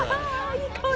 いい香り。